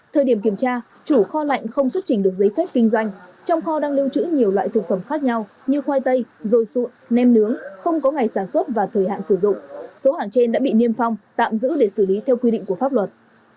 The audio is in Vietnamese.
thời điểm kiểm tra chủ kho lạnh không xuất trình được giấy phép kinh doanh trong kho đang lưu trữ nhiều loại thực phẩm khác nhau như khoai tây rồi sụn nem nướng không có ngày sản xuất và thời hạn sử dụng số hàng trên đã bị niêm phong tạm giữ để xử lý theo quy định của pháp luật